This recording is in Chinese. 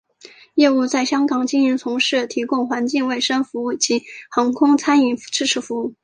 业务在香港经营从事提供环境卫生服务及航空餐饮支持服务。